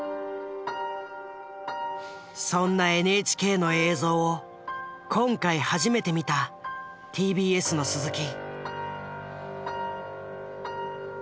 そんなＮＨＫの映像を今回初めて見たＴＢＳの鈴木。